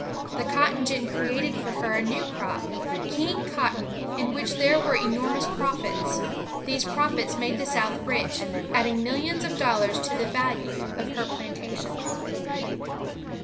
The cotton gin created for her a new crop, ''King Cotton,'' in which there were enormous profits. These profits made the South rich, adding millions of dollars to the value of her plantations.